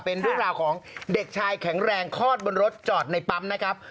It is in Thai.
เป็นเรื่องราวของเด็กชายแข็งแรงคลอดบนรถจอดในปั๊มนะครับ